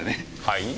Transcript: はい？